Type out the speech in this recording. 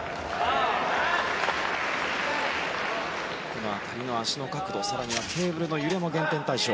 この辺りの足の角度更にはケーブルの揺れも減点対象。